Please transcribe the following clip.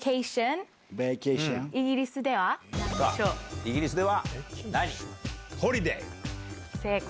イギリスは。